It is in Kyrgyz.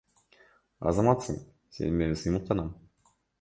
Азаматсың, сени менен сыймыктанам.